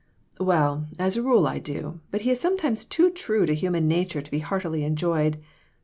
"Well, as a rule I do; but he is sometimes too true to human nature to be heartily enjoyed.